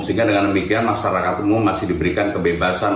sehingga dengan demikian masyarakat umum masih diberikan kebebasan